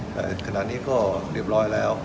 แต่ขณะนี้ก็เรียบร้อยแล้ว